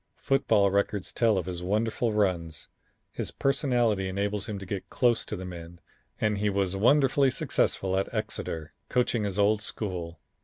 Football records tell of his wonderful runs. His personality enables him to get close to the men, and he was wonderfully successful at Exeter, coaching his old school.